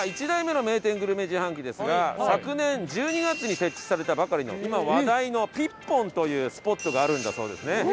１台目の名店グルメ自販機ですが昨年１２月に設置されたばかりの今話題のＰｉＰＰｏＮというスポットがあるんだそうですね。